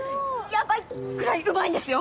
ヤバいぐらいうまいんですよ。